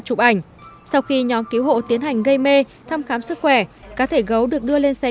chụp ảnh sau khi nhóm cứu hộ tiến hành gây mê thăm khám sức khỏe cá thể gấu được đưa lên xe